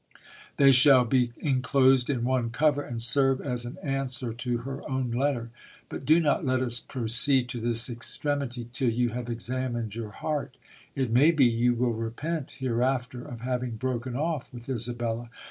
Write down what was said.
They shall be enclosed in one cover, and serve as an answer to her own letter. But do not let us proceed to this extremity till you have examined your heart ; it may be you will repent hereafter of having broken off with Isabella.